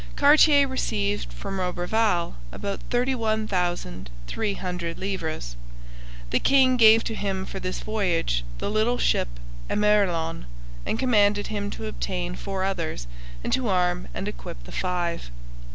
Cartier received from Roberval about 31,300 livres. The king gave to him for this voyage the little ship Emerillon and commanded him to obtain four others and to arm and equip the five.